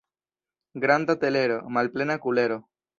Granda telero, malplena kulero.